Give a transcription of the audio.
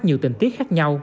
nhiều tình tiết khác nhau